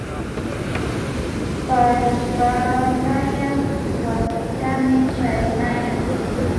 Paypalaya wasitami charinayan